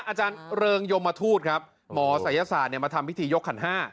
อาจารย์เริงยมทูตครับหมอศัยศาสตร์มาทำพิธียกขันห้า